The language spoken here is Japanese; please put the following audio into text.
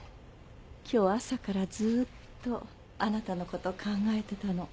今日朝からずーっとあなたのこと考えてたの。